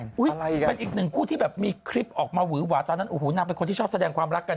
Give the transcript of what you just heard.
เป็นอีกหนึ่งคู่ที่แบบมีคลิปออกมาหวือหวาตอนนั้นโอ้โหนางเป็นคนที่ชอบแสดงความรักกัน